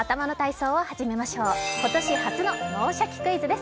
今年初の「脳シャキ！クイズ」です。